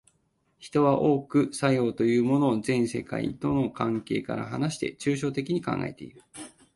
人は多く作用というものを全世界との関係から離して抽象的に考えている。